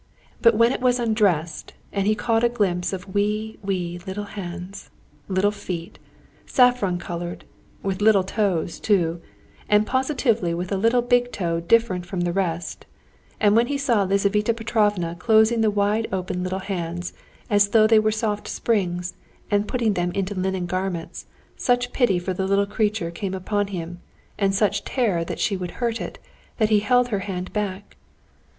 But when it was undressed and he caught a glimpse of wee, wee, little hands, little feet, saffron colored, with little toes, too, and positively with a little big toe different from the rest, and when he saw Lizaveta Petrovna closing the wide open little hands, as though they were soft springs, and putting them into linen garments, such pity for the little creature came upon him, and such terror that she would hurt it, that he held her hand back.